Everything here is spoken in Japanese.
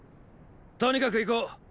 とにかく行こう。